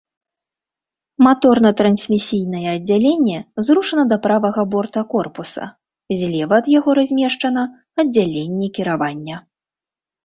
Маторна-трансмісійнае аддзяленне зрушана да правага борта корпуса, злева ад яго размешчана аддзяленне кіравання.